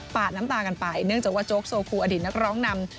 น้ำตากันไปเนื่องจากว่าโจ๊กโซคูอดีตนักร้องนำ